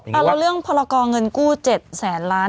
แล้วเรื่องพรกรเงินกู้๗แสนล้าน